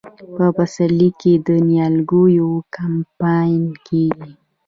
په پسرلي کې د نیالګیو کمپاین کیږي.